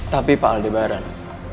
tapi pak aldebaran